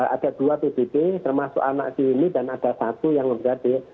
ada dua pbb termasuk anak diri ini dan ada satu yang berada di